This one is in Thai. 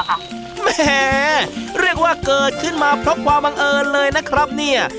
แหมเรียกว่าเกิดขึ้นมาเพราะความบังเอิญเลยนะครับเนี่ย